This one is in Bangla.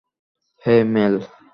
হেই, মেল।